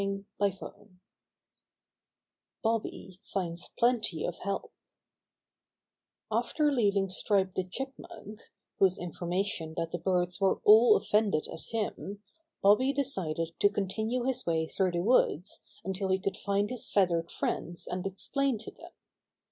i STORY XI Bobby Finds Plenty of Help After leaving Stripe the Chipmunk, whose information that the birds were all offended at him, Bobby decided to continue his way through the woods until he could find his feathered friends and explain to them.